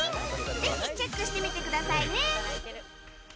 ぜひチェックしてみてくださいね。